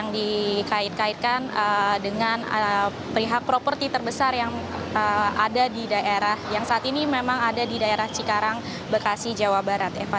dikait kaitkan dengan pihak properti terbesar yang ada di daerah yang saat ini memang ada di daerah cikarang bekasi jawa barat eva